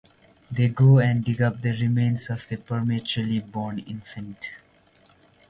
They go and dig up the remains of the prematurely born infant.